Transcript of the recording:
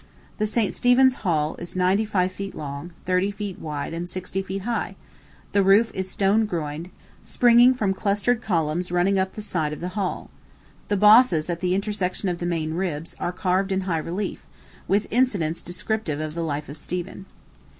The St. Stephen's Hall is ninety five feet long, thirty feet wide, and sixty feet high; the roof is stone groined, springing from clustered columns running up the side of the hall. The bosses, at the intersections of the main ribs, are carved in high relief, with incidents descriptive of the life of Stephen.